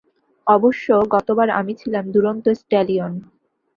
অবশ্য, গতবার আমি ছিলাম দুরন্ত স্ট্যালিয়ন।